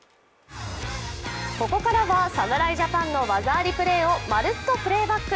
ここからは侍ジャパンの技ありプレーをまるっとプレーバック。